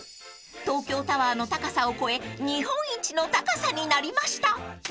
［東京タワーの高さを超え日本一の高さになりました］